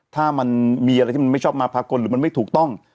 ถ้ามันมีอะไรที่มันไม่ชอบมาพากลหรือมันไม่ถูกต้อง